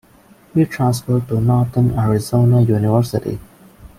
He transferred to Northern Arizona University.